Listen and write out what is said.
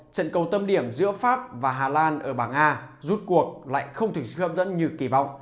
trận cầu tâm điểm giữa pháp và hà lan ở bảng a rút cuộc lại không thường xuyên hấp dẫn như kỳ vọng